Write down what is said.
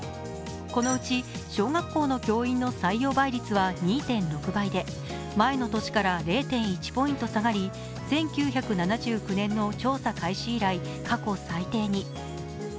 このうち小学校の教員の採用倍率は２．６倍で前の年から０．１ポイント下がり、１９７９年の調査開始以来過去最低に。